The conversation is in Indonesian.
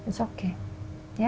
gak apa apa ya